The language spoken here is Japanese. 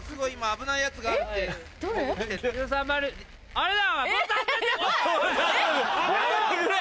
あれだ！